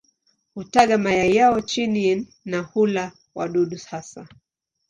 Hutaga mayai yao chini na hula wadudu hasa.